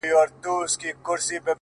o شېخ سره وښورېدی زموږ ومخته کم راغی،